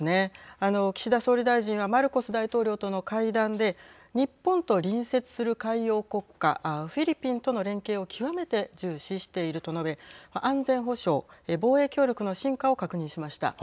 あの、岸田総理大臣はマルコス大統領との会談で日本と隣接する海洋国家フィリピンとの連携を極めて重視していると述べ安全保障・防衛協力の深化を確認しました。